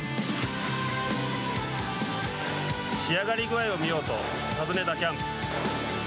仕上がり具合を見ようと訪ねたキャンプ。